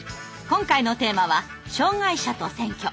今回のテーマは「障害者と選挙」。